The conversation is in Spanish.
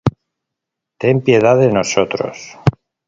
ten piedad de nosotros;